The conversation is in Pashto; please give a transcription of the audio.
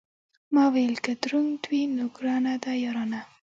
ما ویل که دروند وي، نو ګرانه ده یارانه.